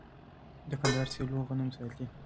د کندهار سیلو غنم ساتي.